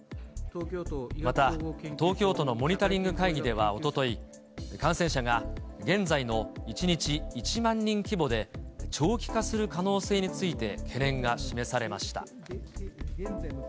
また東京都のモニタリング会議ではおととい、感染者が現在の１日１万人規模で長期化する可能性について懸念が示されました。